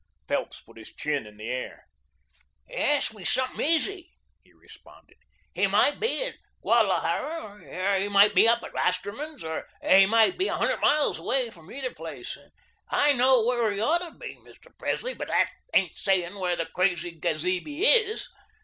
Phelps put his chin in the air. "Ask me something easy," he responded. "He might be at Guadalajara, or he might be up at Osterman's, or he might be a hundred miles away from either place. I know where he ought to be, Mr. Presley, but that ain't saying where the crazy gesabe is.